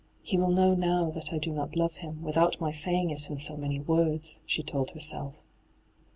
' He will know now that I do not love him, without my saying it in so many words,' she told herself.